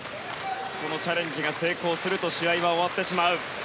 このチャレンジが成功すると試合は終わってしまう。